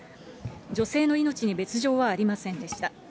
女性の命に別状はありませんでした。